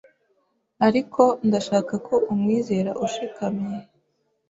Ariko ndashaka ko umwizera ushikamye